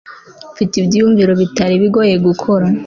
mfite ibyiyumvo bitari bigoye gukora